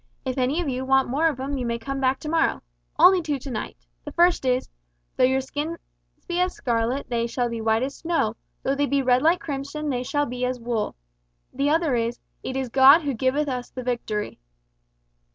If any of you want more of 'em you may come back to morrow. Only two to night. The first is, `Though your sins be as scarlet they shall be as white as snow, though they be red like crimson they shall be as wool.' The other is, `It is God who giveth us the victory.'"